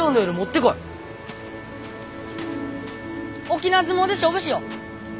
沖縄角力で勝負しよう。